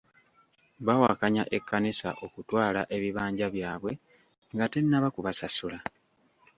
Bawakanya ekkanisa okutwala ebibanja byabwe nga tennaba kubasasula.